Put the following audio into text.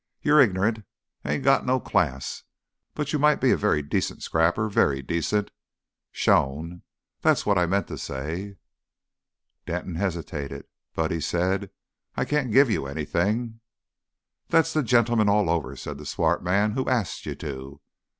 You're ig'nant, you ain't no class; but you might be a very decent scrapper very decent. Shown. That's what I meant to say." Denton hesitated. "But " he said, "I can't give you anything " "That's the ge'man all over," said the swart man. "Who arst you to?"